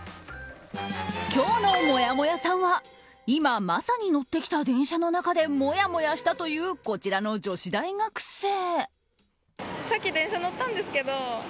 今日のもやもやさんは今まさに乗ってきた電車の中でもやもやしたというこちらの女子大学生。